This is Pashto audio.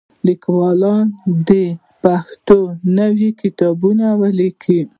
لیکوالان دې په پښتو نوي کتابونه ولیکي.